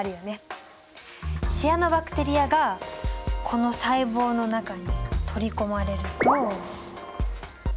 シアノバクテリアがこの細胞の中に取り込まれると。